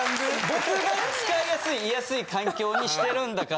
僕が使いやすいいやすい環境にしてるんだから。